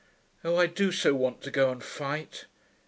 Oh, I do so want to go and fight....